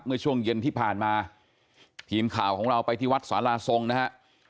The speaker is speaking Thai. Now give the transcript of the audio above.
เมื่อช่วงเย็นที่ผ่านมาทีมข่าวของเราไปที่วัดสาราทรงนะฮะ